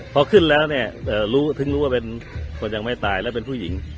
พอขึ้นแล้วเนี่ยรู้ถึงรู้ว่าเป็นคนยังไม่ตายแล้วเป็นผู้หญิง